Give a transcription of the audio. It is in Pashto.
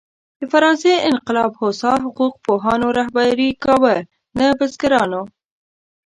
د فرانسې انقلاب هوسا حقوق پوهانو رهبري کاوه، نه بزګرانو.